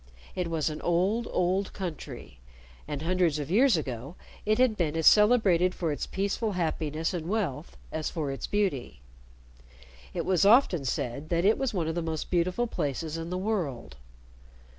It was an old, old country, and hundreds of years ago it had been as celebrated for its peaceful happiness and wealth as for its beauty. It was often said that it was one of the most beautiful places in the world.